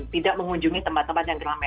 tidak mengunjungi tempat tempat yang ramai